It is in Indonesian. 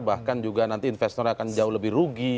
bahkan juga nanti investornya akan jauh lebih rugi